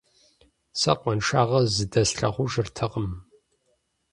Сэ къуаншагъэ зыдэслъагъужыртэкъым.